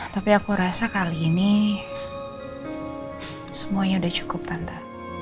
tapi aku rasa kali ini semuanya udah cukup tante